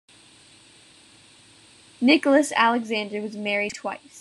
Nicholas Alexander was married twice.